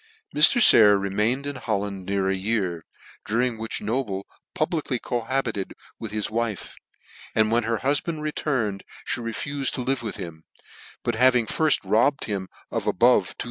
Mr. Sayer remained in Holland near a year, during which Noble publicly cohabited with his wife , and when her hufband returned fhe refufed to live with him; but having fir ft robbed him of above 2000!.